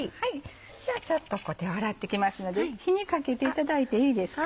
ちょっと手を洗ってきますので火にかけていただいていいですか？